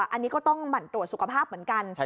อันนี้ก็ต้องหมั่นตรวจสุขภาพเหมือนกัน